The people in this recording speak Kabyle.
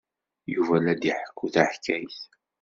Yuba la d-iḥekku taḥkayt.